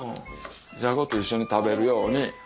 じゃこと一緒に食べるように。